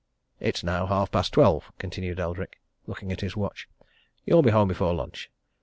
It's now half past twelve," continued Eldrick, looking at his watch. "You'll be home before lunch.